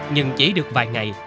nhưng chỉ được vài ngày